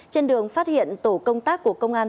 trên đường phát hiện tổ công tác của công an